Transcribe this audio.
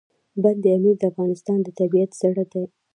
بند امیر د افغانستان د طبیعت زړه دی.